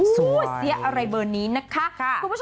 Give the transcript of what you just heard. สู้เสียอะไรเบอร์นี้นะคะ